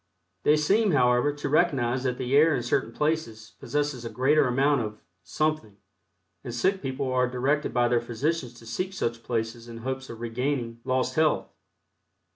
They seem, however, to recognize that the air in certain places possesses a greater amount of "something" and sick people are directed by their physicians to seek such places in hopes of regaining, lost health.